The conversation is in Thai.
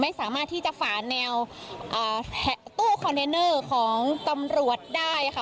ไม่สามารถที่จะฝาแนวตู้คอนเทนเนอร์ของตำรวจได้ค่ะ